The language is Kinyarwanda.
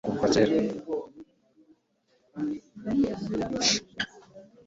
baba muri Australia kuva kera